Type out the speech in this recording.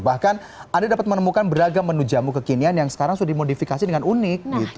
bahkan anda dapat menemukan beragam menu jamu kekinian yang sekarang sudah dimodifikasi dengan unik